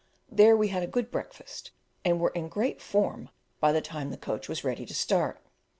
There we had a good breakfast, and were in great "form" by the time the coach was ready to start.